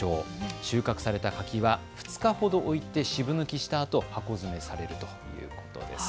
収穫された柿は２日ほど置いて渋抜きしたあと箱詰めされるということです。